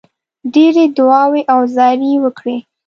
ډېرې دعاوي او زارۍ وکړې.